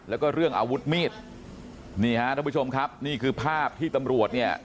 แล้วก็เรื่องอาวุธมีดนี่ฮะท่านผู้ชมครับนี่คือภาพที่ตำรวจเนี่ย